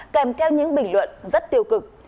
kèm theo những bình luận rất tiêu cực